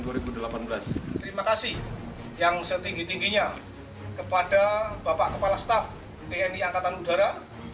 terima kasih yang setinggi tingginya kepada bapak kepala staf tni angkatan udara